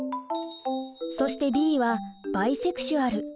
そして「Ｂ」はバイセクシュアル。